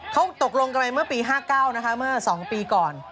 เขาตกลงกันมายเมื่อปี๕๙มี๒ปีก่อน